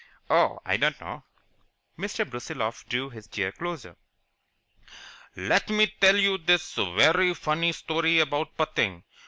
"Oh, I don't know." Mr. Brusiloff drew his chair closer. "Let me tell you one vairy funny story about putting.